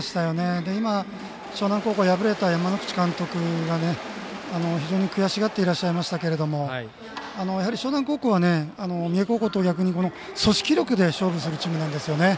今、樟南高校敗れた山之口監督が非常に悔しがっていましたが樟南高校は三重高校と逆に組織力で勝負するチームなんですよね。